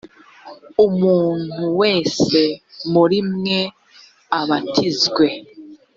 umuntu wese muri mwe abatizwe